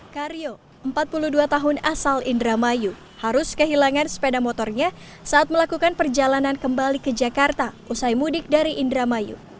karyo empat puluh dua tahun asal indramayu harus kehilangan sepeda motornya saat melakukan perjalanan kembali ke jakarta usai mudik dari indramayu